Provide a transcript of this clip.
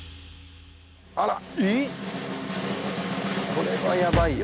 これはやばいよ